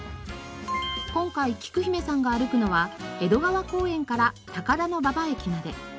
今回きく姫さんが歩くのは江戸川公園から高田馬場駅まで。